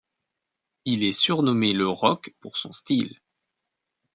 Il est surnommé le Rock pour son style.